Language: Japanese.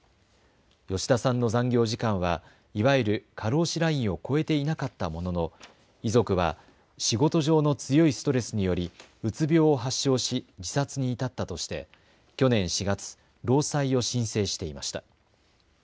吉田さんの残業時間はいわゆる過労死ラインを超えていなかったものの遺族は仕事上の強いストレスによりうつ病を発症し自殺に至ったとして去年４月、労災を申請していました。